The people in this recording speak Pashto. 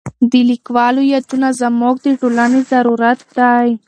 د لیکوالو یادونه زموږ د ټولنې ضرورت دی.